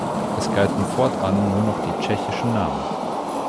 Es galten fortan nur noch die tschechischen Namen.